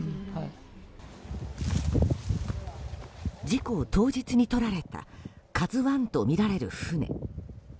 事故当日に撮られた「ＫＡＺＵ１」とみられる船。